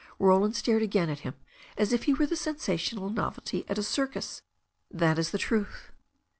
Roland stared again at him as if he were the sensational novelty at a circus. "That is the truth."